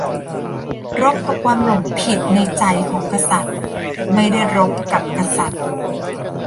"รบกับความหลงผิดในใจของกษัตริย์ ไม่ได้รบกับกษัตริย์"